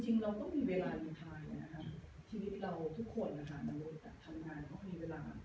จริงเราก็มีเวลารีไทยนะครับชีวิตเราทุกคนอาหารมนุษย์ทำงานเขามีเวลา